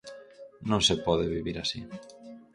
Non se pode vivir así.